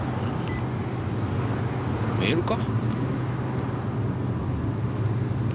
メールか？